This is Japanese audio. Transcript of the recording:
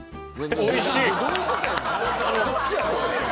おいしい。